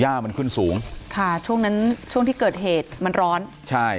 มันขึ้นสูงค่ะช่วงนั้นช่วงที่เกิดเหตุมันร้อนใช่